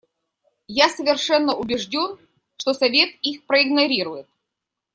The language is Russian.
Я совершенно убежден, что Совет их проигнорирует.